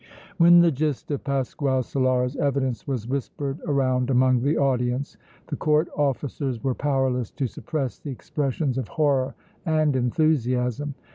When the gist of Pasquale Solara's evidence was whispered around among the audience the Court officers were powerless to suppress the expressions of horror and enthusiasm.